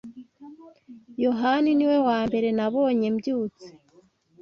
yohani niwe wambere nabonye mbyutse